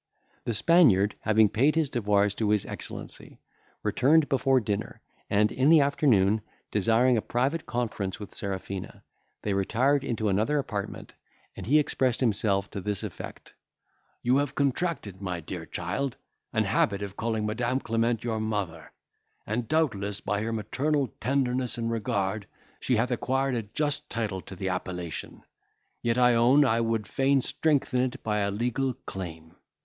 The Spaniard having paid his devoirs to his Excellency, returned before dinner; and, in the afternoon, desiring a private conference with Serafina, they retired into another apartment, and he expressed himself to this effect: "You have contracted, my dear child, an habit of calling Madam Clement your mother, and doubtless, by her maternal tenderness and regard, she hath acquired a just title to the appellation. Yet I own I would fain strengthen it by a legal claim.